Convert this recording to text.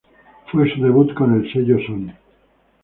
Fue su debut con el sello Sony.